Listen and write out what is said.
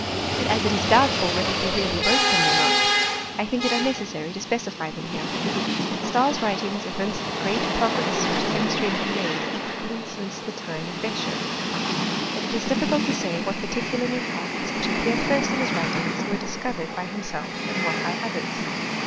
But as it is doubtful whether he really wrote them or not, I think it unnecessary to specify them here. Stahl's writings evince the great progress which chemistry had made even since the time of Beccher. But it is difficult to say what particular new facts, which appear first in his writingrs were discovered by himself, and what by others.